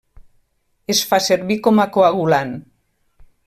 Es fa servir com a coagulant.